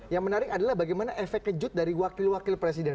yang menarik adalah bagaimana efek kejut dari wakil wakil presiden